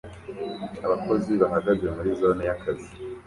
Abakozi bahagaze muri zone y'akazi